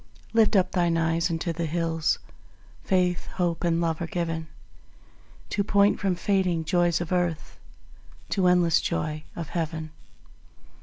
Lift up thine eyes unto the hills; Faith, Hope and Love are given To point from fading joys of earth, To endless joy of Heaven.